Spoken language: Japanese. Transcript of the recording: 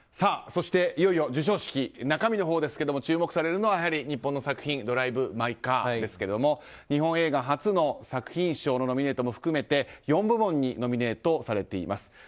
そしていよいよ授賞式中身のほうですが注目されるのはやはり日本の作品「ドライブ・マイ・カー」ですが日本映画初の作品賞のノミネートも含めて４部門にノミネートされています。